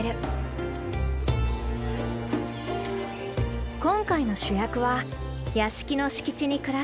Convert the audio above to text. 今回の主役は屋敷の敷地に暮らす動物たち。